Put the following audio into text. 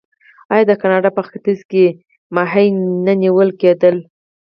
آیا د کاناډا په ختیځ کې کب نه نیول کیدل؟